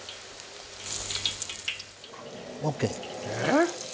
えっ！？